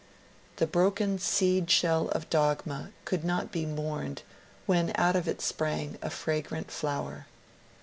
The broken seed shell of dogma could not be mourned when out of it sprang a fragrant flower.